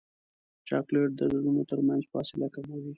چاکلېټ د زړونو ترمنځ فاصله کموي.